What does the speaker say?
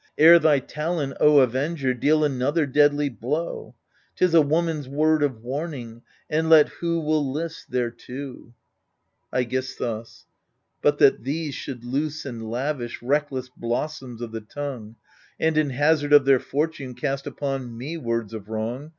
Ere thy talon, O Avenger, deal another deadly blow. Tis a woman's word of warning, and let who will list thereto. iEGISTHUS But that these should loose and lavish reckless blossoms of the tongue. And in hazard of their fortune cast upon me words of wrong.